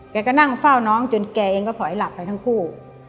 แกก็นั่งเฝ้าน้องจนแกเองก็ถอยหลับไปทั้งคู่